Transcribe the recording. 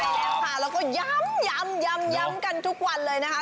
ใช่แล้วค่ะแล้วก็ย้ำย้ำกันทุกวันเลยนะคะ